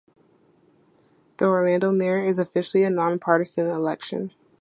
The Orlando mayor is officially a nonpartisan election.